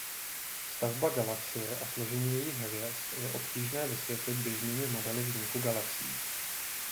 Stavba galaxie a složení jejích hvězd je obtížné vysvětlit běžnými modely vzniku galaxií.